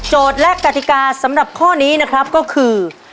และกติกาสำหรับข้อนี้นะครับก็คือ